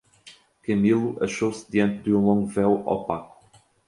Camilo achou-se diante de um longo véu opaco...